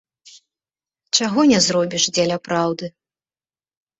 Чаго не зробіш дзеля праўды.